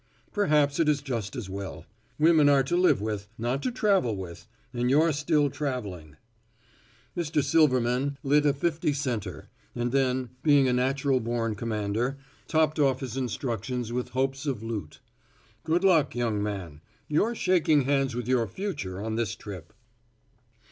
"Perhaps it is just as well. Women are to live with, not to travel with, and you're still traveling." Mr. Silverman lit a fifty center, and then, being a natural born commander, topped off his instructions with hopes of loot. "Good luck, young man. You're shaking hands with your future on this trip."